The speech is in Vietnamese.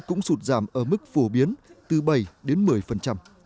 cũng sụt giảm ở mức phổ biến từ bảy đến một mươi